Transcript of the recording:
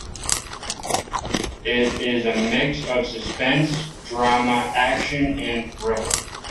It is a mix of suspense, drama, action and thriller.